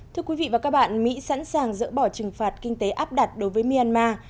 thưa quý vị và các bạn mỹ sẵn sàng dỡ bỏ trừng phạt kinh tế áp đặt đối với myanmar